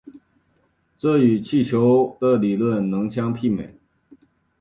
这与汽油的理论比能相媲美。